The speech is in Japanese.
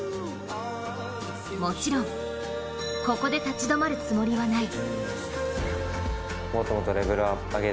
もちろんここで立ち止まるつもりはない。